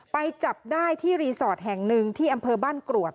ไปจับได้ที่รีสอร์ทแห่งหนึ่งที่อำเภอบ้านกรวด